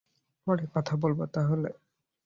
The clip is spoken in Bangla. পরে কথা বলব তাহলে।